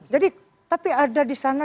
jadi tapi ada di sana